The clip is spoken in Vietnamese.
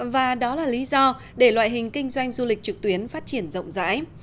và đó là lý do để loại hình kinh doanh du lịch trực tuyến phát triển rộng rãi